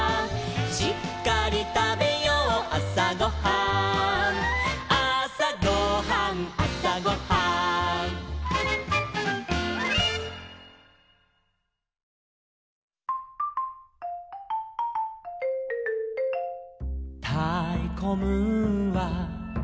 「しっかりたべようあさごはん」「あさごはんあさごはん」「たいこムーンは」